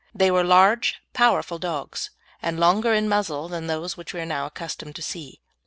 They were large, powerful dogs, and longer in muzzle than those which we are now accustomed to see.